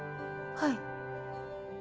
はい。